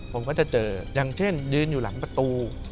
ผมก็จะเจออย่างเช่นยืนอยู่หลังประตู